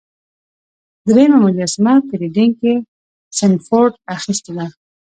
دریمه مجسمه په ریډینګ کې سنډفورډ اخیستې ده.